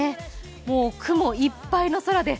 もう雲いっぱいの空です。